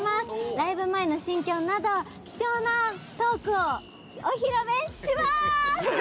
ライブ前の心境など貴重なトークをお披露目します！